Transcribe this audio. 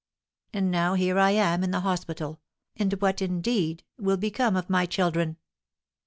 And now here I am in the hospital, and what, indeed, will become of my children?